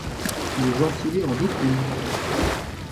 Le gentilé en découle.